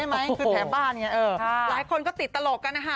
หลายคนก็ติดตลกกันนะฮะ